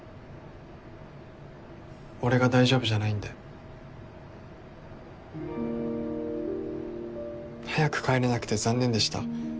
俺が大丈夫じゃないんで早く帰れなくて残念でした